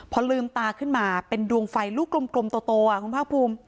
พอลืมตาขึ้นมาเป็นดวงไฟลูกกลมโตคุณภาคภูมิ